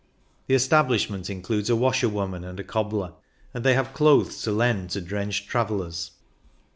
The establishment includes a washerwoman and a cobbler, and they have clothes to lend to drenched travellers.